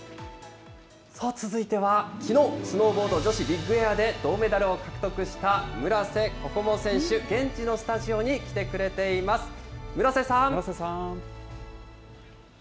さあ、続いては、きのうスノーボードの女子ビッグエアで銅メダルを獲得した村瀬心椛選手、現地のスタジオに来てくれています。